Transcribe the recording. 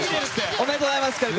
おめでとうございます！